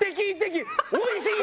おいしい！